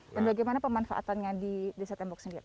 dan bagaimana pemanfaatannya sendiri